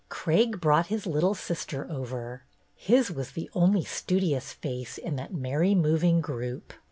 Craig brought his little sister over; his was the only studious face in that merry, moving group.